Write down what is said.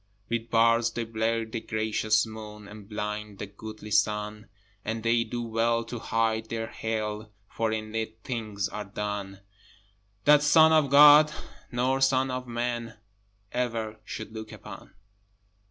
With bars they blur the gracious moon, And blind the goodly sun: And they do well to hide their Hell, For in it things are done That Son of God nor son of Man Ever should look upon!